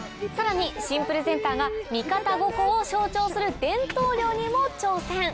さらに新プレゼンターが三方五湖を象徴する伝統漁にも挑戦。